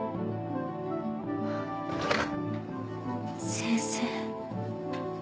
先生。